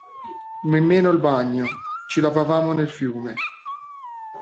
Nemmeno il bagno, ci lavavamo nel fiume.